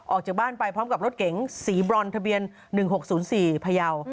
ออกจากบ้านไปพร้อมกับรถเก๋งสีบรอนทะเบียน๑๖๐๔พยาว